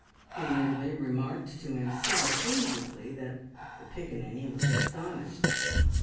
He merely remarked to himself whimsically that, "the piccaninny would astonish them!"